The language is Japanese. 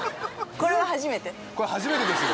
これ初めてですよ